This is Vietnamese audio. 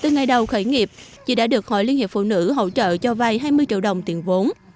ngày đầu khởi nghiệp chị đã được hội liên hiệp phụ nữ hỗ trợ cho vay hai mươi triệu đồng tiền vốn